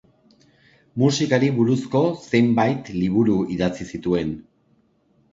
Musikari buruzko zenbait liburu idatzi zituen.